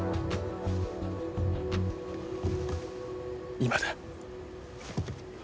今だ。